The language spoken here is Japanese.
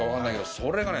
それがね